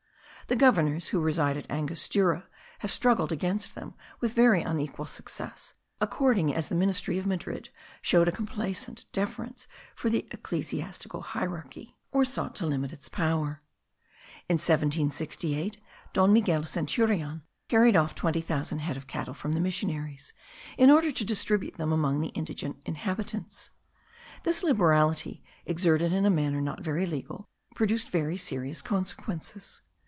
The governors who reside at Angostura have struggled against them with very unequal success, according as the ministry of Madrid showed a complaisant deference for the ecclesiastical hierarchy, or sought to limit its power. In 1768 Don Manuel Centurion carried off twenty thousand head of cattle from the missionaries, in order to distribute them among the indigent inhabitants. This liberality, exerted in a manner not very legal, produced very serious consequences.